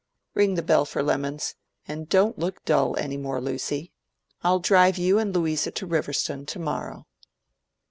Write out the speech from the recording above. Ring the bell for lemons, and don't look dull any more, Lucy. I'll drive you and Louisa to Riverston to morrow."